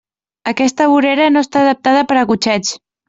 Aquesta vorera no està adaptada per a cotxets.